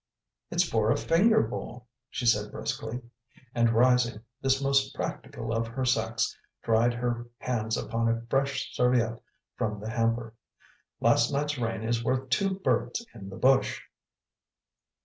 "It's for a finger bowl," she said briskly. And rising, this most practical of her sex dried her hands upon a fresh serviette from the hamper. "Last night's rain is worth two birds in the bush."